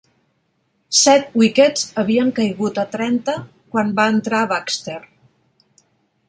Set wickets havien caigut a trenta quan va entrar Baxter.